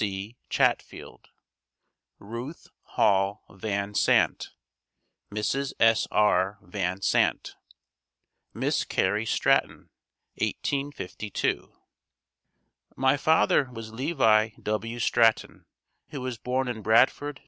C. Chatfield) RUTH HALL VAN SANT (Mrs. S. R. Van Sant) Miss Carrie Stratton 1852. My father was Levi W. Stratton who was born in Bradford, N.